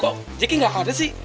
kok ciki gak ada sih